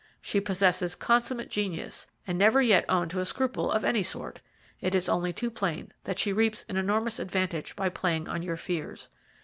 She possesses consummate genius, and never yet owned to a scruple of any sort. It is only too plain that she reaps an enormous advantage by playing on your fears.